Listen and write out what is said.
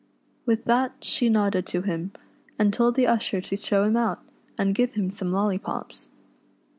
With that she nodded to him, and told the usher to show him out, and give him some lollypops.